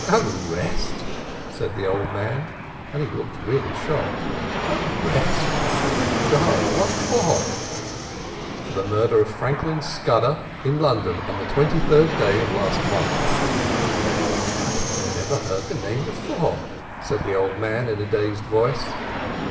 "Arrest," said the old man, and he looked really shocked. "Arrest! Good God, what for?" "For the murder of Franklin Scudder in London on the 23rd day of last month." "I never heard the name before," said the old man in a dazed voice.